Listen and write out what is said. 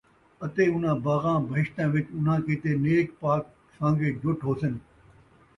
اَتے اُنھاں باغاں، بہشتاں وِچ اُنھاں کِیتے نیک پاک سان٘گے جُٹ ہوسِن،